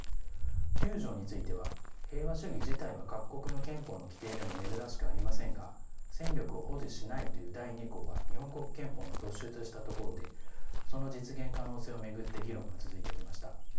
九条については平和主義自体は各国の憲法の規定でも珍しくありませんが戦力を保持しないという第二項は日本国憲法の突出したところでその実現可能性を巡って議論が続いてきました。